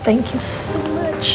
terima kasih banyak